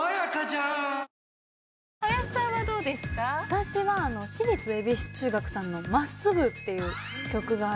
私は私立恵比寿中学さんの『まっすぐ』っていう曲が。